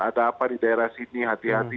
ada apa di daerah sini hati hati